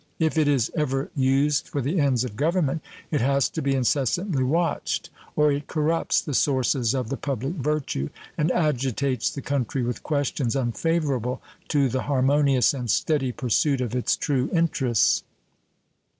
If it is ever used for the ends of government, it has to be incessantly watched, or it corrupts the sources of the public virtue and agitates the country with questions unfavorable to the harmonious and steady pursuit of its true interests.